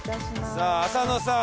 さあ浅野さん。